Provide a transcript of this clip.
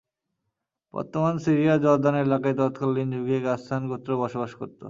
বর্তমান সিরিয়ার জর্দান এলাকায় তৎকালীন যুগে গাসসান গোত্র বসবাস করত।